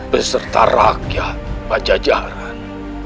beserta rakyat pajajaran